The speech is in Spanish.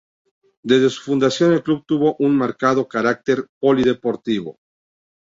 Desde su fundación el club tuvo un marcado carácter polideportivo.